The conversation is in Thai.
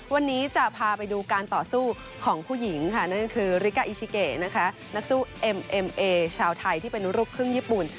วันนี้จะพาไปดูการต่อสู้ของผู้หญิงค่ะนั่นคือนักสู้ชาวไทยที่เป็นรูปครึ่งญี่ปุ่น